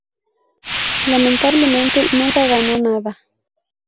Lamentablemente nunca ganó nada.